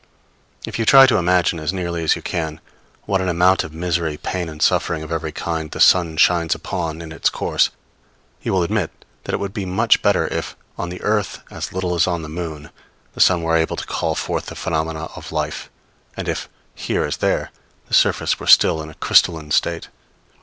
If you try to imagine, as nearly as you can, what an amount of misery, pain and suffering of every kind the sun shines upon in its course, you will admit that it would be much better if, on the earth as little as on the moon, the sun were able to call forth the phenomena of life; and if, here as there, the surface were still in a crystalline state.